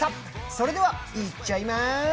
それでは、行っちゃいま